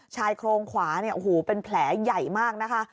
ชายโครงขวาเป็นแผลใหญ่มากนะคะ